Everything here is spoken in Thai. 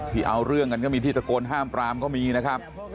เอาเรื่องกันก็มีที่ตะโกนห้ามปรามก็มีนะครับ